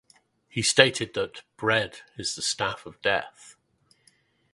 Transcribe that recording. He stated that "bread is the staff of death".